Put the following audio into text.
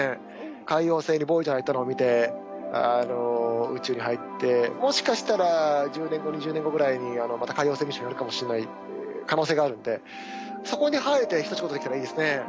海王星にボイジャーが行ったのを見て宇宙に入ってもしかしたら１０年後２０年後ぐらいにまた海王星ミッションやるかもしれない可能性があるんでそこに入れて一仕事できたらいいですね。